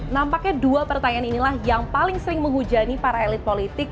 nampaknya dua pertanyaan inilah yang paling sering menghujani para elit politik